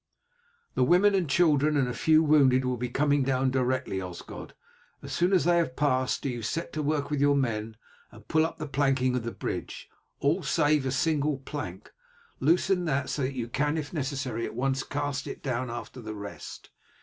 "The women and children and a few wounded will be coming down directly, Osgod. As soon as they have passed do you set to work with your men and pull up the planking of the bridge, all save a single plank; loosen that, so that you can if necessary at once cast it down after the rest.